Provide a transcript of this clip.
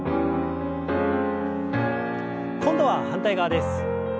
今度は反対側です。